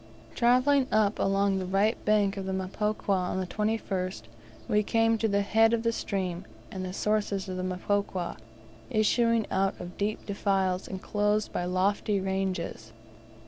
Travelling up along the right bank of the Mpokwa, on the 21st we came to the head of the stream, and the sources of the Mpokwa, issuing out of deep defiles enclosed by lofty ranges.